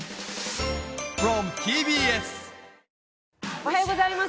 おはようございます。